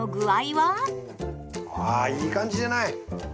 あいい感じじゃない！